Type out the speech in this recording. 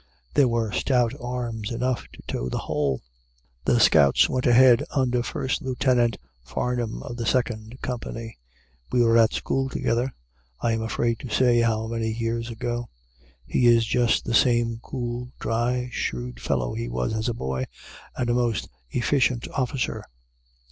There were stout arms enough to tow the whole. The scouts went ahead under First Lieutenant Farnham of the Second Company. We were at school together, I am afraid to say how many years ago. He is just the same cool, dry, shrewd fellow he was as a boy, and a most efficient officer.